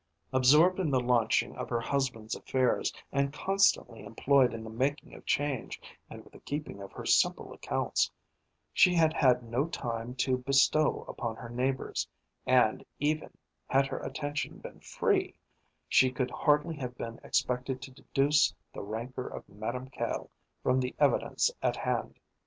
Absorbed in the launching of her husband's affairs, and constantly employed in the making of change and with the keeping of her simple accounts, she had had no time to bestow upon her neighbours, and, even had her attention been free, she could hardly have been expected to deduce the rancour of Madame Caille from the evidence at hand.